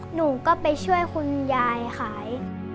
หนูก็ไปช่วยคุณยายขาย